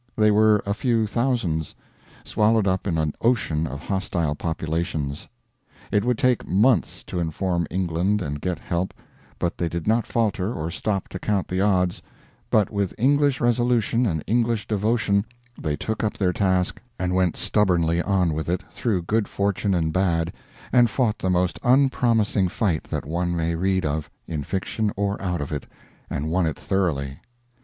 They were a few thousands, swallowed up in an ocean of hostile populations. It would take months to inform England and get help, but they did not falter or stop to count the odds, but with English resolution and English devotion they took up their task, and went stubbornly on with it, through good fortune and bad, and fought the most unpromising fight that one may read of in fiction or out of it, and won it thoroughly.